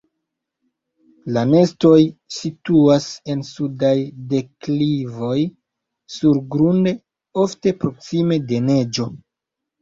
La nestoj situas en sudaj deklivoj surgrunde, ofte proksime de neĝo.